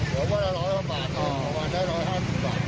หรือว่าละ๑๐๐บาทเขาออกมาได้๑๕๐บาท